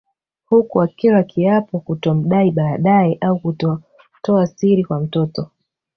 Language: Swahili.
Huku akila kiapo kutomdai baadae au kutoa siri kwa mtoto